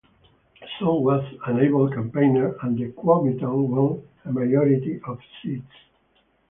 Song was an able campaigner and the Kuomintang won a majority of seats.